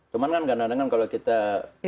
cuma kan kadang kadang kalau kita memakai